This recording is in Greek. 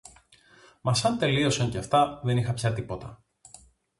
Μα σαν τελείωσαν και αυτά, δεν είχα πια τίποτα